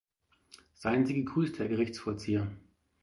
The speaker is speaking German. Seien Sie gegrüßt, Herr Gerichtsvollzieher!